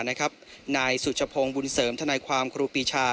นายสุชพงศ์บุญเสริมทนายความครูปีชา